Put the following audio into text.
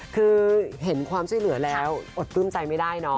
คือเห็นความสุดเหลือแล้วอดกลืมใจไม่ได้นอ